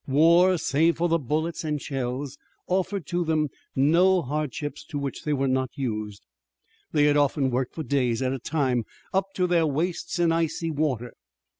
War, save for the bullets and shell, offered to them no hardships to which they were not used. They had often worked for days at a time up to their waists in icy water.